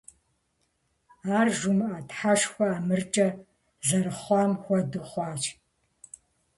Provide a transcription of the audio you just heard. Ар жумыӀэ, Тхьэшхуэ ӀэмыркӀэ зэрыхъуам хуэдэу хъуащ.